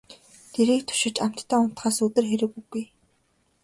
Дэрийг түшиж амттай унтахаас өдөр хэрэг үгүй.